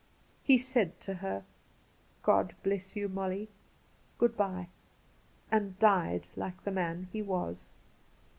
He said to her, ' God bless you, Molly I Good bye I' and died like the man he was.